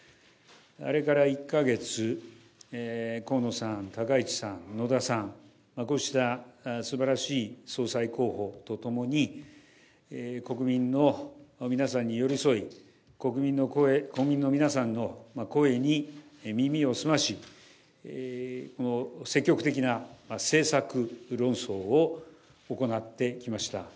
あれから１か月、河野さん、高市さん、野田さん、こうしたすばらしい総裁候補とともに、国民の皆さんに寄り添い、国民の声、国民の皆さんの声に耳を澄まし、積極的な政策論争を行ってきました。